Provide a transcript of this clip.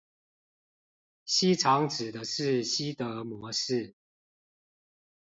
西廠指的是西德模式